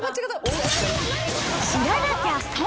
知らなきゃ損！